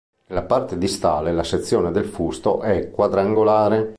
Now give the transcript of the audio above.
Nella parte distale la sezione del fusto è quadrangolare.